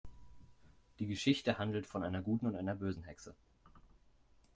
Die Geschichte handelt von einer guten und einer bösen Hexe.